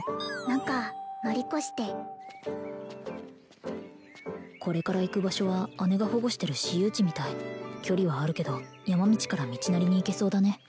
何か乗り越してこれから行く場所は姉が保護してる私有地みたい距離はあるけど山道から道なりに行けそうだね